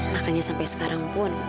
makanya sampe sekarang pun